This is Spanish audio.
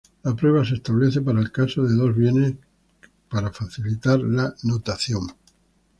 La prueba se establece para el caso de dos bienes para facilitar la notación.